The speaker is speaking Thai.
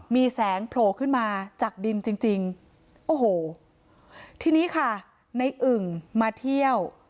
มีแสงโผล่ขึ้นมาจากดินจริงจริงโอ้โหทีนี้ค่ะในอึ่งมาเที่ยว